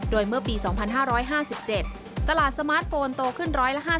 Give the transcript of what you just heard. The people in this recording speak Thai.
โดยเมื่อปี๒๕๕๗ตลาดสมาร์ทโฟนโตขึ้น๑๕๐